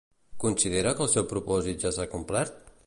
Considera que el seu propòsit ja s'ha complert?